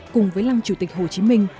cùng với năm chủ tịch hồ chí minh